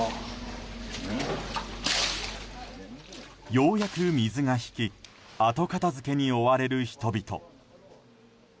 ようやく水が引き後片付けに追われる人々。